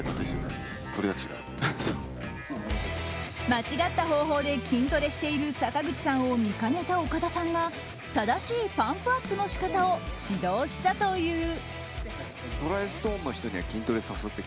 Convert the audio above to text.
間違った方法で筋トレしている坂口さんを見かねた岡田さんが正しいパンプアップの仕方を指導したという。